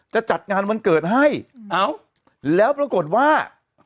จะจัดงานวันเกิดให้เอ้าแล้วปรากฏว่า